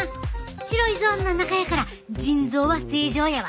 白いゾーンの中やから腎臓は正常やわ。